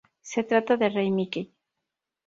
Se trata del Rey Mickey.